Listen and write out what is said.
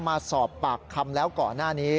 มาสอบปากคำแล้วก่อนหน้านี้